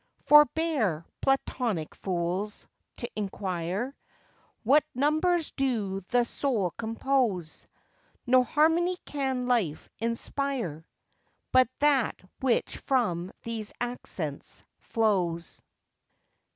Forbear, Platonic fools! t' inquire What numbers do the soul compose; No harmony can life inspire But that which from these accents flows.